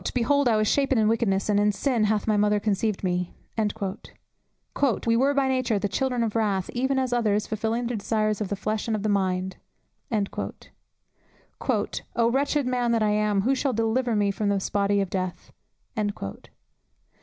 "Behold, I was shapen in wickedness, and in sin hath my mother conceived me." "We were by nature the children of wrath, even as others, fulfilling the desires of the flesh and of the mind." "O wretched man that I am, who shall deliver me from the body of this death!"